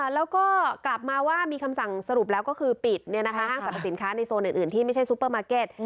แล้วก็กลับมาว่ามีคำสั่งสรุปแล้วก็คือปิดห้างสรรพสินค้าในโซนอื่นที่ไม่ใช่ซูเปอร์มาร์เก็ต